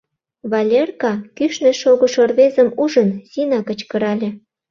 — Валерка! — кӱшнӧ шогышо рвезым ужын, Зина кычкырале.